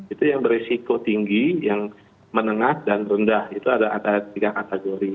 itu yang beresiko tinggi yang menengah dan rendah itu ada tiga kategori